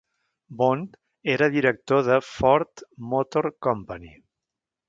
Bond era director de Ford Motor Company.